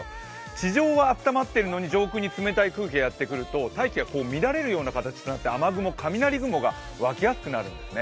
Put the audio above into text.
地上はあったまってるのに上空に冷たい空気がやってくると大気が乱れるような形になって雨雲、雷雲が湧きやすくなるんですね。